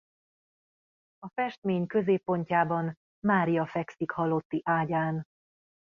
A festmény középpontjában Mária fekszik halotti ágyán.